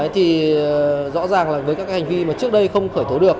thì rõ ràng là với các hành vi mà trước đây không khởi tố được